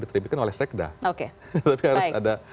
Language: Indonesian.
diterbitkan oleh sekda oke tapi harus ada